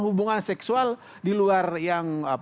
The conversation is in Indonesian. hubungan seksual di luar yang